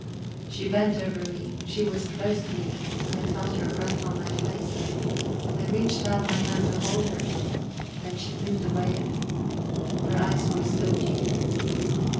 She bent over me, she was close to me, I felt her breath on my face; I reached out my hands to hold her. Then she moved away a little. Her eyes were still dewy.